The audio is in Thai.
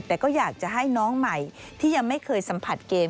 แต่ก็อยากจะให้น้องใหม่ที่ยังไม่เคยสัมผัสเกม